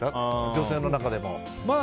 女性の中でも。